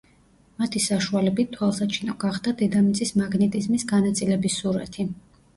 მათი საშუალებით თვალსაჩინო გახდა დედამიწის მაგნიტიზმის განაწილების სურათი.